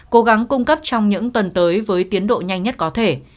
cố gắng cung cấp trong những tuần tới với tiến độ nhanh nhất có thể